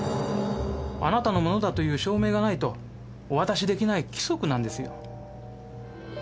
「あなたの物だ」という証明がないとお渡しできない規則なんですよ。